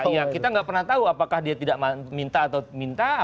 iya kita tidak pernah tahu apakah dia tidak minta atau tidak menawarkan bantuan